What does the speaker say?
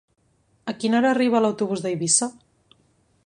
A quina hora arriba l'autobús d'Eivissa?